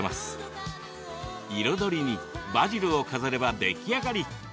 彩りにバジルを飾れば出来上がり。